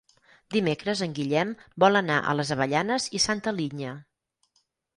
Dimecres en Guillem vol anar a les Avellanes i Santa Linya.